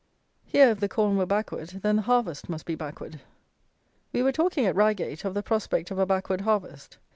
Here, if the corn were backward, then the harvest must be backward. We were talking at Reigate of the prospect of a backward harvest.